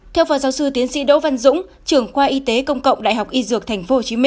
theo phó giáo sư tiến sĩ đỗ văn dũng trưởng khoa y tế công cộng đại học y dược tp hcm